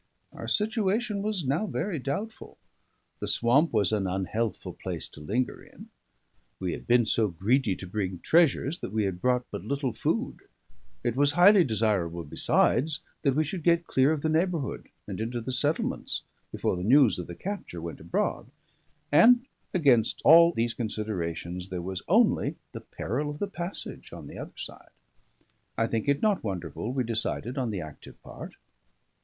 Our situation was now very doubtful. The swamp was an unhealthful place to linger in; we had been so greedy to bring treasures that we had brought but little food; it was highly desirable, besides, that we should get clear of the neighbourhood and into the settlements before the news of the capture went abroad; and against all these considerations there was only the peril of the passage on the other side. I think it not wonderful we decided on the active part.